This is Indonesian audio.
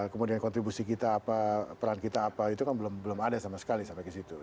kemudian kontribusi kita apa peran kita apa itu kan belum ada sama sekali sampai ke situ